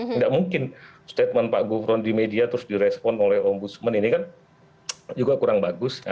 tidak mungkin statement pak gufron di media terus direspon oleh ombudsman ini kan juga kurang bagus